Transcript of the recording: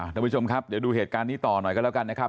ท่านผู้ชมครับเดี๋ยวดูเหตุการณ์นี้ต่อหน่อยกันแล้วกันนะครับ